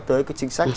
tới cái chính sách